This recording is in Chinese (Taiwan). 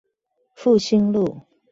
復興路